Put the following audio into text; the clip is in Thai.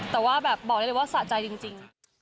แต่ว่าแบบบอกได้เลยว่าสะใจจริง